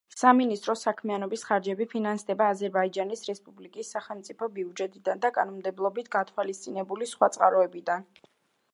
სამინისტროს საქმიანობის ხარჯები ფინანსდება აზერბაიჯანის რესპუბლიკის სახელმწიფო ბიუჯეტიდან და კანონმდებლობით გათვალისწინებული სხვა წყაროებიდან.